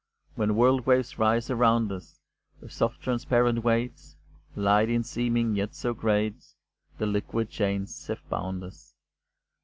When world waves rise around us, With soft transparent weight, Light in seeming, yet so great, The liquid chains have bound us.